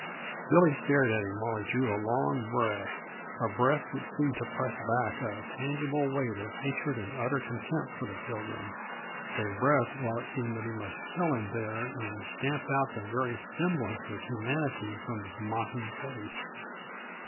Billy stared at him while he drew a long breath; a breath which seemed to press back a tangible weight of hatred and utter contempt for the Pilgrim; a breath while it seemed that he must kill him there and stamp out the very semblance of humanity from his mocking face.